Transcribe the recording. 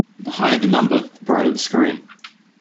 The higher the number, the brighter the screen.